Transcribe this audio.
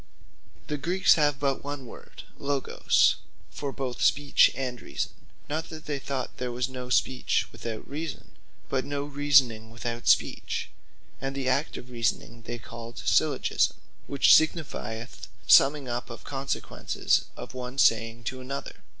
The Greeks have but one word Logos, for both Speech and Reason; not that they thought there was no Speech without Reason; but no Reasoning without Speech: And the act of reasoning they called syllogisme; which signifieth summing up of the consequences of one saying to another.